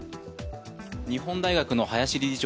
日本大学の林理事長